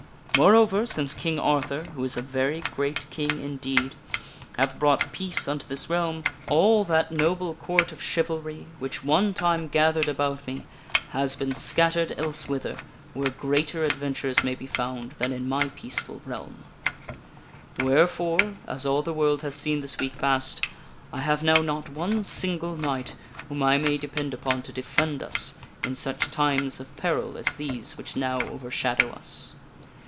Moreover, since King Arthur (who is a THE LADY GUINEVERE CONFESSES TO HER FATHER 133 very great King indeed) hath brought peace unto this realm, all that noble court of chivalry which one time gathered about me has been scattered elsewhither where greater adventures may be found than in my peaceful realm. Wherefore (as all the world hath seen this week past) I have now not one single knight whom I may depend upon to defend us in such times of peril as these which now overshadow us.